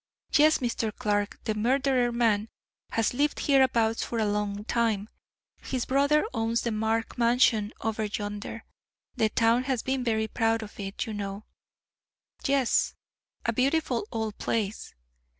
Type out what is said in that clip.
"Yes, Mr. Clark, the murdered man has lived hereabouts for a long time; his brother owns the Mark Mansion over yonder; the town has been very proud of it, you know." "Yes, a beautiful old place."